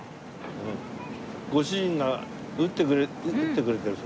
ご主人が打ってくれてる。